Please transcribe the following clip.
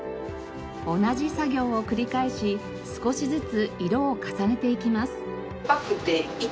同じ作業を繰り返し少しずつ色を重ねていきます。